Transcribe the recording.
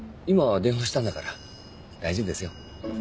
今電話したんだから大丈夫ですよ。